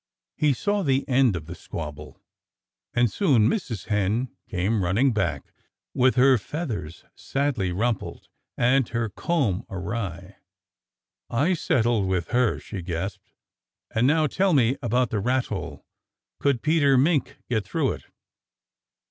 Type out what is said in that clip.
He saw the end of the squabble. And soon Mrs. Hen came running back, with her feathers sadly rumpled, and her comb awry. "I settled with her," she gasped. "And now tell me about the rat hole. Could Peter Mink get through it?"